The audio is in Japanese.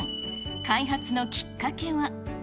開発のきっかけは。